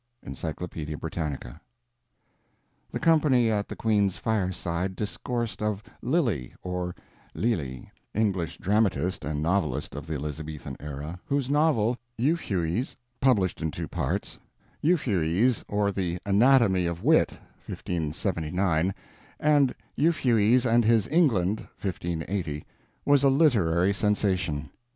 (Encyclopedia Brittanica.) The company at the Queen's fireside discoursed of Lilly (or Lyly), English dramatist and novelist of the Elizabethan era, whose novel, Euphues, published in two parts, 'Euphues', or the 'Anatomy of Wit' (1579) and 'Euphues and His England' (1580) was a literary sensation.